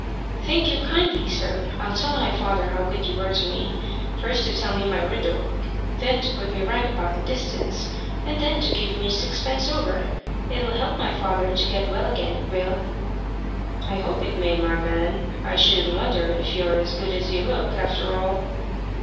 "Thank you kindly, sir. I'll tell my father how good you were to me first to tell me my riddle, then to put me right about the distance, and then to give me sixpence over. It'll help father to get well again, it will." "I hope it may, my man. I shouldn't wonder if you're as good as you look, after all."